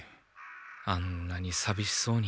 あんなにさびしそうに。